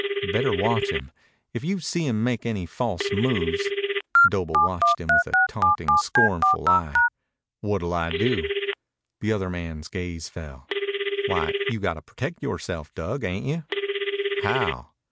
"Better watch him. If you see him make any false moves " Doble watched him with a taunting, scornful eye. "What'll I do?" The other man's gaze fell. "Why, you got to protect yoreself, Dug, ain't you?" "How?"